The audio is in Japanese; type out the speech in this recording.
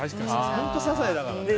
本当、ささいだからね。